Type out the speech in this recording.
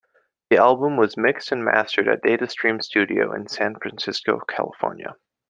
The album was mixed and mastered at Data Stream Studio in San Francisco, California.